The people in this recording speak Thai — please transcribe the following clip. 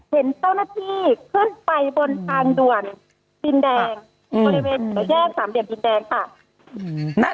เห็นเจ้าหน้าที่ขึ้นไปบนทางด่วนดินแดงบริเวณแยกสามเหลี่ยมดินแดงค่ะ